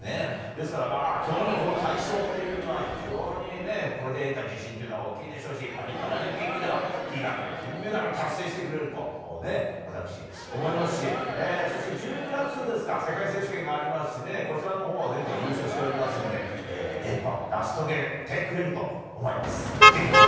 ですから、きょうのこの大勝っていうのは、非常にね、これで得た自信っていうのは大きいでしょうし、やっぱりパリパラリンピックでは悲願の金メダルを達成してくれると、私、思いますし、そして１０月ですか、世界選手権がありますしね、こちらのほうは前回優勝しておりますんで、連覇を成し遂げてくれると思います。